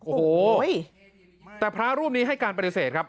โอ้โหแต่พระรูปนี้ให้การปฏิเสธครับ